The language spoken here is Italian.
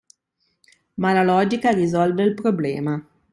ma la logica risolve il problema.